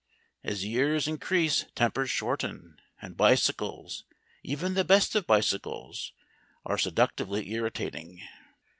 As years increase tempers shorten, and bicycles, even the best of bicycles, are seductively irritating.